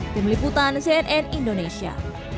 pemiliputan cnn indonesia